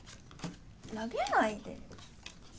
投げないで。